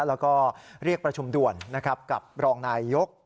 แล้วก็เรียกประชุมด่วนนะครับกับรองนายยก